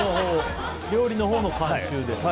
料理のほうの監修で。